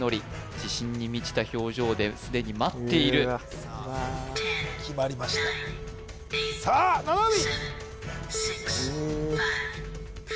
自信に満ちた表情ですでに待っている決まりましたさあ七海！